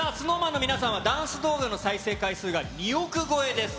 ＳｎｏｗＭａｎの皆さんは、ダンス動画の再生回数が２億超えです。